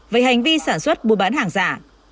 với hành vi sản xuất buôn bán hàng giả